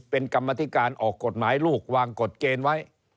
เป็นกรรมธิการออกกฎหมายลูกวางกฎเกณฑ์ไว้